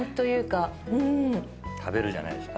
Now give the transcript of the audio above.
食べるじゃないですか。